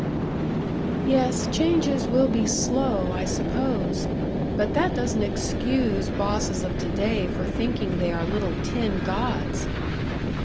'" "Yes, changes will be slow, I suppose, but that doesn't excuse bosses of to day for thinking they are little tin gods."